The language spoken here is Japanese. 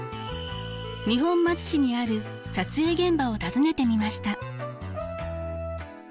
二本松市にある撮影現場を訪ねてみました。